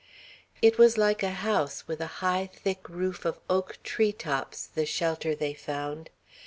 It was like a house with a high, thick roof of oak tree tops, the shelter they found.